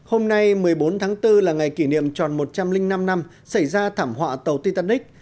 hôm nay một mươi bốn tháng bốn là ngày kỷ niệm tròn một trăm linh năm năm xảy ra thảm họa tàu titanic